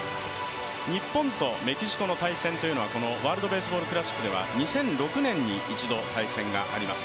日本とメキシコの対戦というのは、ワールドベースボールクラシックでは２００６年に一度、対戦があります。